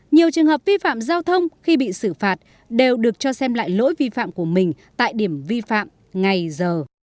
nhiều trường hợp vi phạm giao thông khi bị xử phạt đều được cho xem lại lỗi vi phạm của mình tại điểm vi phạm ngay giờ